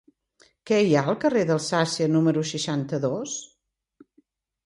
Què hi ha al carrer d'Alsàcia número seixanta-dos?